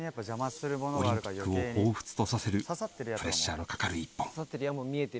オリンピックをほうふつとさせるプレッシャーのかかる一本。